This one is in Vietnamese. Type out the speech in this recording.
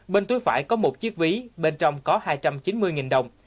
bên túi phải có một chiếc ví bên trong có hai trăm chín mươi đồng